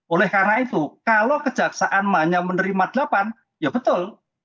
oleh karena itu kalau kejaksaan hanya menerima delapan ya betul